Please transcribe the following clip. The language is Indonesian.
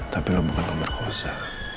tapi lo bukan pemerkuasa